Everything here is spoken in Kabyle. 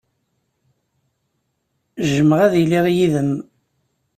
Jjmeɣ ad iliɣ yid-m.